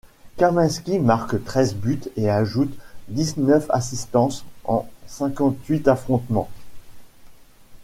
Kamenski marque treize buts et ajoute dix-neuf assistances en cinquante-huit affrontements.